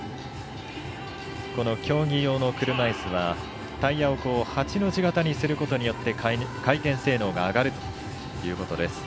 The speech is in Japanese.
競技用の車いすはタイヤを八の字型にすることで回転性能が上がるということです。